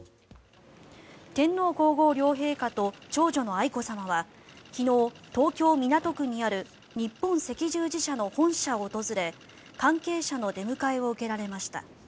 天皇・皇后両陛下と長女の愛子さまは昨日、東京・港区にある日本赤十字社の本社を訪れ関係者の出迎えを受けられました。